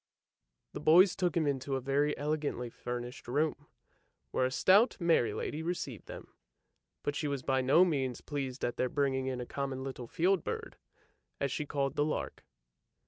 The boys took him into a very elegantly furnished room, where a stout, merry lady received them, but she was by no means pleased at their bringing in a common little field bird, as she called the lark.